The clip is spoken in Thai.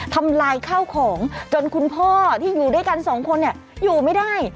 ทำลายข้าวของจนคุณพ่อที่อยู่ด้วยกันสองคนเนี่ยอยู่ไม่ได้